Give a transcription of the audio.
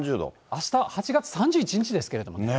あした８月３１日ですけれども。